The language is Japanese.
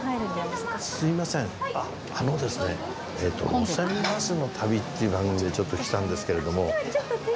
『路線バスの旅』っていう番組でちょっと来たんですけれども。